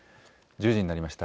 １０時になりました。